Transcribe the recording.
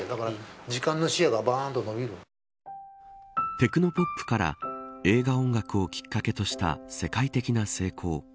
テクノポップから映画音楽をきっかけとした世界的な成功。